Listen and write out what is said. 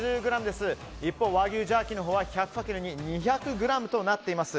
一方、和牛ジャーキーのほうは１００かける２２００ｇとなっています。